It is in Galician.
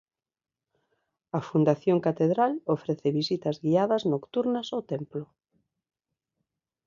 A Fundación Catedral ofrece visitas guiadas nocturnas ao templo.